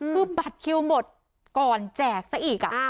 คือบัตรคิวหมดก่อนแจกซะอีก